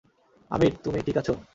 আমির, তুমি ঠিক আছ?